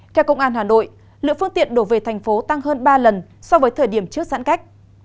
theo công an hà nội lượng phương tiện đổ về thành phố tăng hơn ba lần so với thời điểm trước giãn cách